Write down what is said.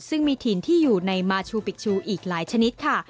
ซึ่งมีถิ่นที่อยู่ในมาชูปิกชูอีกหลายชนิดค่ะ